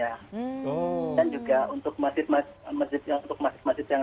adalah tidak ada di sini tidak ada bedug di masjidnya dan juga untuk masjid masjid yang